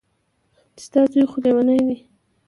چې ستا زوى خو ليونۍ دى.